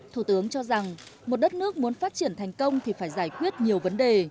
thủ tướng cho rằng một đất nước muốn phát triển thành công thì phải giải quyết nhiều vấn đề